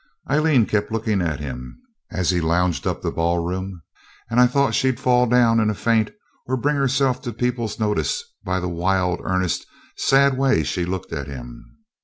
Aileen kept looking at him as he lounged up the ballroom, and I thought she'd fall down in a faint or bring herself to people's notice by the wild, earnest, sad way she looked at him.